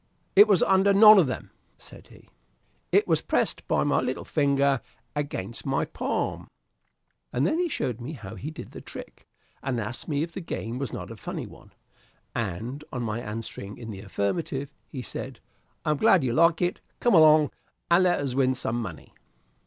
"It was under none of them," said he; "it was pressed by my little finger against my palm." And then he showed me how he did the trick, and asked me if the game was not a funny one; and, on my answering in the affirmative, he said, "I am glad you like it; come along and let us win some money."